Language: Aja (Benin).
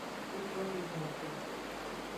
Wetrome gave.